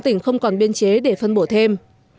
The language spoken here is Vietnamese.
tỉnh không còn biên chế để phân bổ thêm